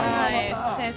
先生